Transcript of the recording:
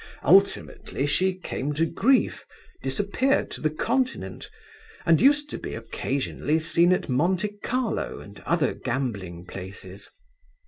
Ultimately she came to grief, disappeared to the Continent, and used to be occasionally seen at Monte Carlo and other gambling places.